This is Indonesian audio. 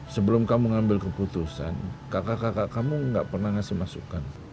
sebelum kamu ngambil keputusan kakak kakak kamu gak pernah ngasih masukan